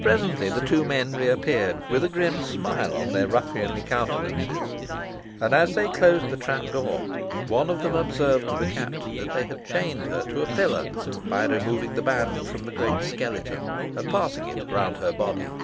Presently the two men re appeared with a grim smile on their ruffianly countenances, and, as they closed the trapdoor, one of them observed to the captain that they had chained her to a pillar, by removing the band from the great skeleton, and passing it round her body.